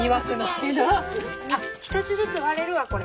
あっ１つずつ割れるわこれ。